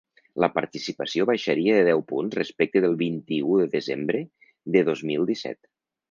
La participació baixaria de deu punts respecte del vint-i-u de desembre de dos mil disset.